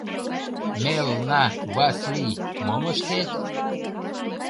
Мелна Васлий, мом ыштет?